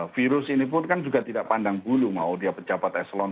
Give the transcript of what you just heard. virus ini pun kan juga tidak pandang bulu mau dia pejabat eselon